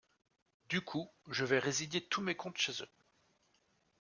Du coup, je vais résilier tous mes comptes chez eux.